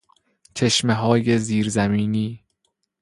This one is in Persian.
چشمههای زیر زمینی